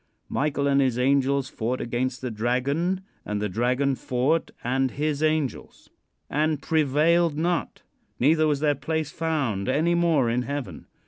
Michael and his angels fought against the dragon, and the dragon fought and his angels. "And prevailed not; neither was their place found any more in heaven.